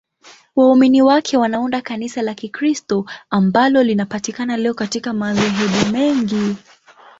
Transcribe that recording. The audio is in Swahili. Waumini wake wanaunda Kanisa la Kikristo ambalo linapatikana leo katika madhehebu mengi.